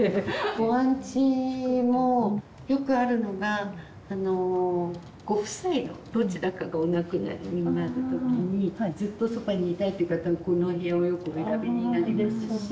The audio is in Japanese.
ご安置もよくあるのがあのご夫妻のどちらかがお亡くなりになる時にずっとそばにいたいって方はこのお部屋をよくお選びになりますし。